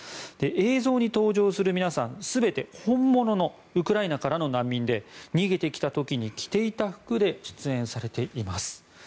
映像に登場する皆さん、全て本物のウクライナからの難民で逃げてきた時に着ていた服で出演されています。